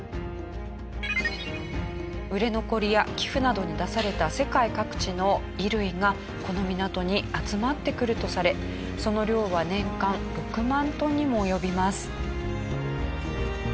売れ残りや寄付などに出された世界各地の衣類がこの港に集まってくるとされその量は年間６万トンにも及びます。